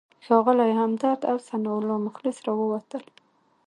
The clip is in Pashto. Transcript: ښاغلی همدرد او ثناالله مخلص راووتل.